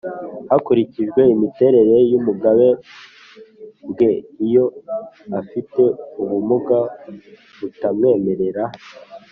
hakurikijwe imiterere y'ubumuga bwe. iyo afite ubumuga butamwemerera